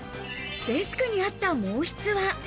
デスクにあった毛筆は？